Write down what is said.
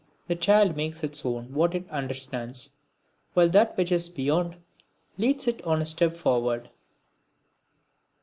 The child makes its own what it understands, while that which is beyond leads it on a step forward.